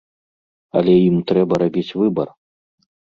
Але ім трэба рабіць выбар.